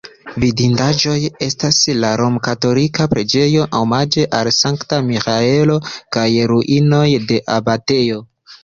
Vidindaĵoj estas la romkatolika preĝejo omaĝe al Sankta Miĥaelo kaj ruinoj de abatejo.